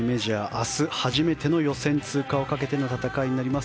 明日、初めての予選通過をかけての戦いになります